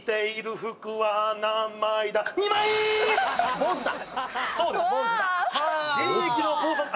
坊主だ！